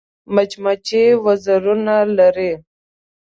مچمچۍ وزرونه لري